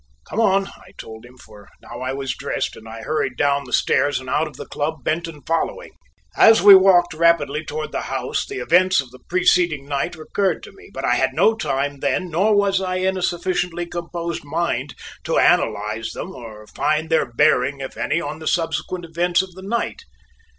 "Come on!" I told him, for now I was dressed, and I hurried down the stairs and out of the club, Benton following. As we walked rapidly toward the house the events of the preceding night recurred to me, but I had no time then nor was I in a sufficiently composed mind to analyze them nor find their bearing, if any, on the subsequent events of the night.